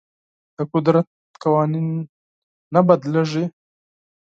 د قدرت قوانین نه بدلیږي.